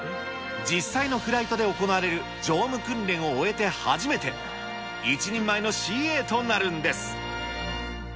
実際のフライトで行われる乗務訓練を終えて初めて、一人前のＣＡとなるんです。